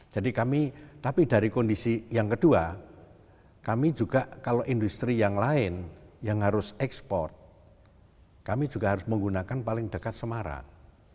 jadi kami tapi dari kondisi yang kedua kami juga kalau industri yang lain yang harus ekspor kami juga harus menggunakan paling dekat semarang